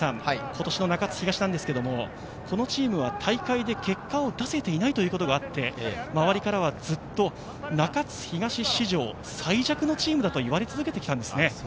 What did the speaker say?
今年の中津東ですが、このチームは大会で結果を出せていないということもあり、周りからはずっと中津東史上最弱のチームだと言われ続けてきたんです。